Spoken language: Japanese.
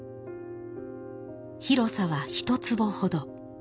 広さは１坪ほど。